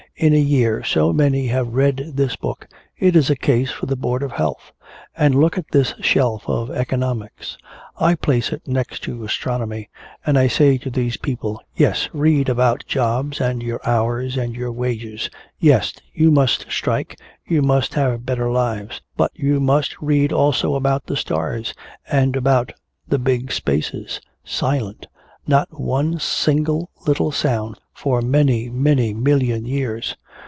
In a year so many have read this book it is a case for the board of health. And look at this shelf of economics. I place it next to astronomy. And I say to these people, 'Yes, read about jobs and your hours and wages. Yes, you must strike, you must have better lives. But you must read also about the stars and about the big spaces silent not one single little sound for many, many million years.